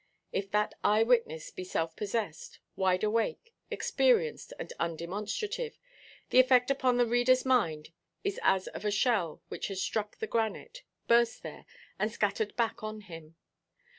If that eye–witness be self–possessed, wide–awake, experienced, and undemonstrative, the effect upon the readerʼs mind is as of a shell which has struck the granite, burst there, and scattered back on him.